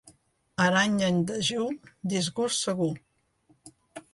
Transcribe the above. Aranya en dejú, disgust segur.